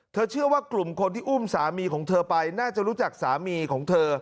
เชื่อว่ากลุ่มคนที่อุ้มสามีของเธอไปน่าจะรู้จักสามีของเธอ